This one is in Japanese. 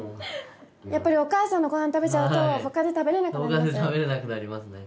やっぱりお母さんのご飯食べちゃうと他で食べられなくなります？